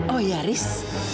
oh ya ris